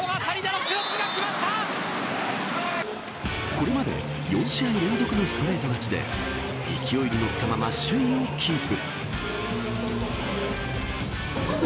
これまで４試合連続のストレート勝ちで勢いに乗ったまま首位をキープ。